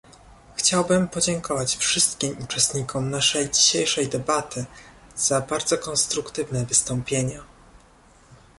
Chciałbym podziękować wszystkim uczestnikom naszej dzisiejszej debaty za bardzo konstruktywne wystąpienia